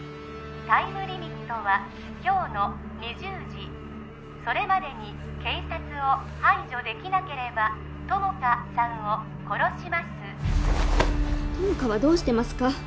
タイムリミットは今日の２０時それまでに警察を排除できなければ友果さんを殺します友果はどうしてますか？